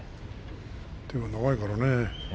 手が長いからね。